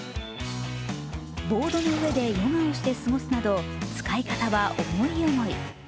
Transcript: ボードの上でヨガをして過ごすなど使い方は思い思い。